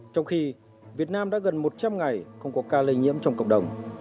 trong khi việt nam đã gần một trăm linh ngày không có ca lây nhiễm trong cộng đồng